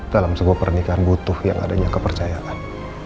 dalam sebuah pernikahan butuh yang adanya kepercayaan